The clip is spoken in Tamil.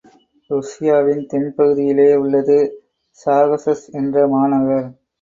ருஷ்யாவின் தென் பகுதியிலே உள்ளது சாகஸஸ் என்ற மாநகர்.